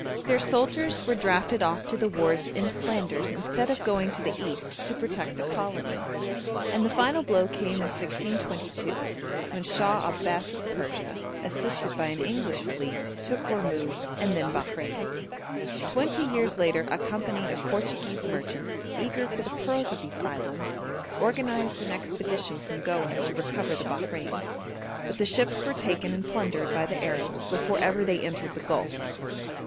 Their soldiers were drafted off to the wars in Flanders instead of going to the East to protect the colonies; and the final blow came in 1622, when Shah Abbas of Persia, assisted by an English fleet, took Hormuz, and then Bahrein. Twenty years later a company of Portuguese merchants, eager for the pearls of these islands, organised an expedition from Goa to recover the Bahrein, but the ships were taken and plundered by the Arabs before ever they entered the Gulf.